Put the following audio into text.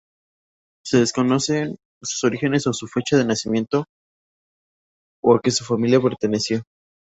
Se desconocen sus orígenes o su fecha de nacimiento o a que familia pertenecía.